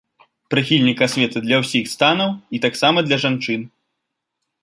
Прыхільнік асветы для ўсіх станаў і таксама для жанчын.